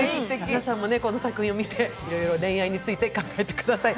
皆さんもこの作品を見て、いろいろ恋愛について考えてください。